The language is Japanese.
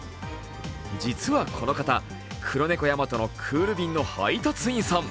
実はこの方、クロネコヤマトのクール便の配達員さん。